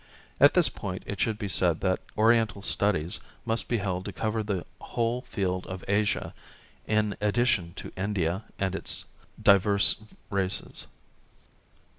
At this point it should be said that Oriental studies must be held to cover the whole field of Asia in addition to India and its divers races.